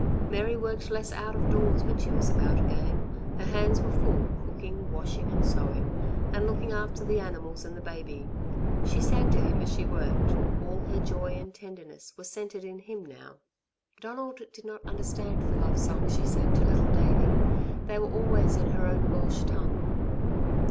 Mary worked less out of doors when she was about again; her hands were full, cooking, washing and sewing, and looking after the animals and the baby. She sang to him as she worked. All her joy and tenderness were centred in him now. Donald did not understand the love songs she sang to little Davey. They were always in her own Welsh tongue.